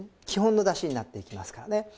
基本のだしになっていきますからね。